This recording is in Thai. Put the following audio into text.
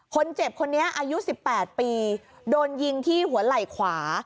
คนเจ็บคนนี้อายุ๑๘ปีโดนยิงที่หัวไหล่ขวา